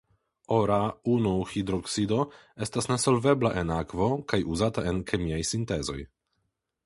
Ora (I) hidroksido estas nesolvebla en akvo kaj uzata en kemiaj sintezoj.